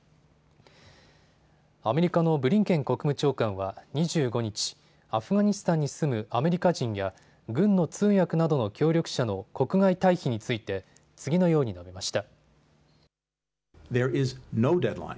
アメリカのブリンケン国務長官は２５日、アフガニスタンに住むアメリカ人や軍の通訳など協力者の国外退避について次のように述べました。